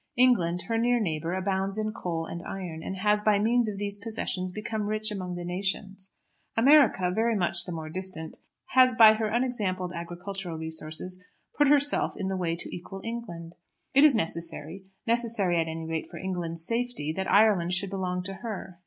England, her near neighbour, abounds in coal and iron, and has by means of these possessions become rich among the nations. America, very much the more distant, has by her unexampled agricultural resources put herself in the way to equal England. It is necessary, necessary at any rate for England's safety, that Ireland should belong to her.